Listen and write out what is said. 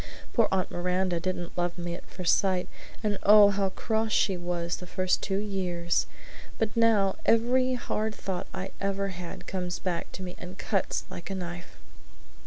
Poor Aunt Miranda didn't love me at first sight, and oh, how cross she was the first two years! But now every hard thought I ever had comes back to me and cuts like a knife!"